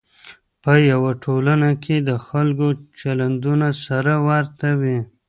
په یوه ټولنه کې د خلکو چلندونه سره ورته وي.